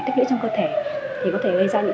tích nghĩa trong cơ thể thì có thể gây ra những